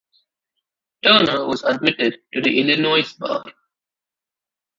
Turner was admitted to the Illinois bar.